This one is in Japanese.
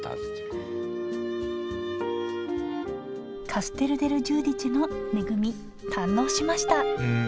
カステル・デル・ジューディチェの恵み堪能しましたうん。